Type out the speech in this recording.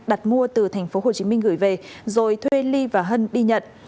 đặt mua từ thành phố hồ chí minh gửi về rồi thuê ly và hân đi nhận